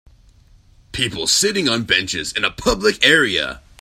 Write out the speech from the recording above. People sitting on benches in a public area.